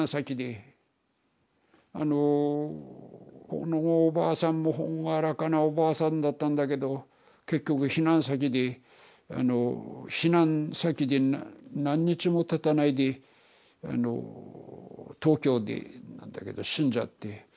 あのこのおばあさんも朗らかなおばあさんだったんだけど結局避難先であの避難先で何日もたたないであの東京でなんだけど死んじゃって。